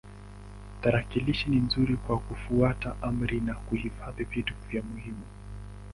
Tarakilishi ni nzuri kwa kufuata amri na kuhifadhi vitu muhimu.